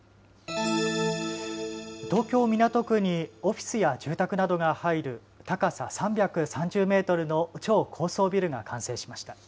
東京港区にオフィスや住宅などが入る高さ３３０メートルの超高層ビルが完成しました。